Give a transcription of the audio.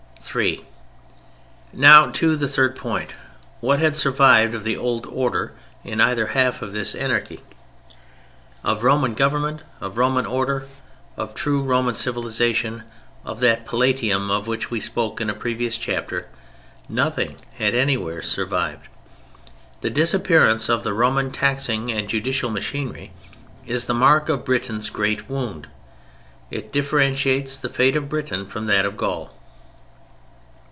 (3) Now to the third point: What had survived of the old order in either half of this anarchy? Of Roman government, of Roman order, of true Roman civilization, of that palatium of which we spoke in a previous chapter, nothing had anywhere survived. The disappearance of the Roman taxing and judicial machinery is the mark of Britain's great wound. It differentiates the fate of Britain from that of Gaul.